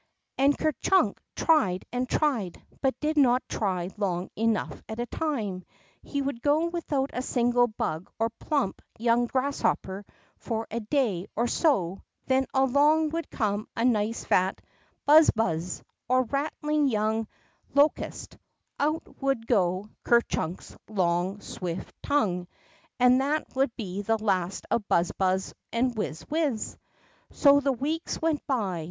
• And Ker Chunk tried and tried, but did not try long enough at a time. He would go without a single hug or plump, young grasshopper for a day or so, then along would come a nice fat Buzz buzz,'' or a rattling young locust, out would go Ker Chunk's long, swift tongue, and that would be the last of Buzz buzz and Wizz wizz. So the weeks went by.